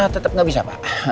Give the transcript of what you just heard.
tetep gak bisa pak